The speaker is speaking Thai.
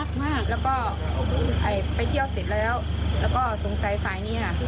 แต่ว่าอยากรู้แต่ไม่รู้ว่าผู้หญิงเขาโมโหอะไรสงสัยฝ่ายนี้นี่แหละ